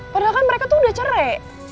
padahal kan mereka tuh udah cerai